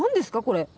これ。